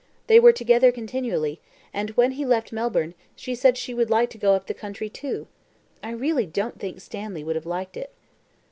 They were together continually, and when he left Melbourne, she said she would like to go up the country too. I really don't think Stanley would have liked it."